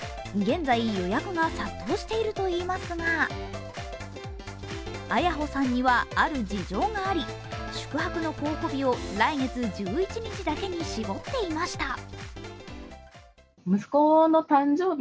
現在、予約が殺到しているといいますがＡｙａｈｏさんにはある事情があり宿泊の候補日を来月１１日だけに絞っていました。